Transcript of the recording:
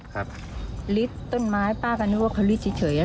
เขาริดต้นไม้ป้ากันว่าเขาริดเฉย